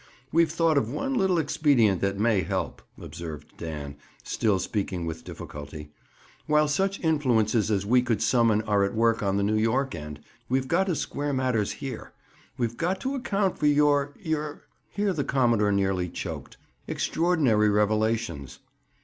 "We've thought of one little expedient that may help," observed Dan, still speaking with difficulty. "While such influences as we could summon are at work on the New York end, we've got to square matters here. We've got to account for your—your—" here the commodore nearly choked—"extraordinary revelations."